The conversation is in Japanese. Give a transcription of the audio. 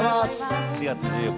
４月１４日